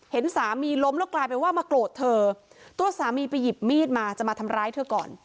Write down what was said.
เห็นสามีล้มแล้วกลายเป็นว่ามาโกรธเธอตัวสามีไปหยิบมีดมาจะมาทำร้ายเธอก่อน